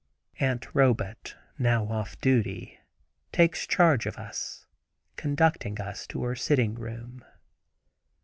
Aunt Robet, now off duty, takes charge of us, conducting us to her sitting room.